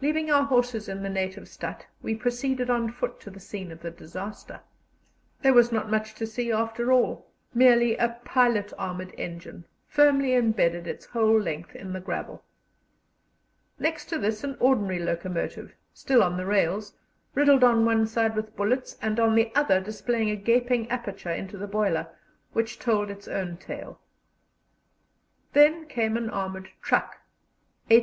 Leaving our horses in the native stadt, we proceeded on foot to the scene of the disaster. There was not much to see, after all merely a pilot armoured engine, firmly embedded its whole length in the gravel. Next to this, an ordinary locomotive, still on the rails, riddled on one side with bullets, and on the other displaying a gaping aperture into the boiler, which told its own tale. Then came an armoured truck H.